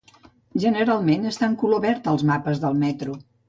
Generalment, està en color verd als mapes de metro.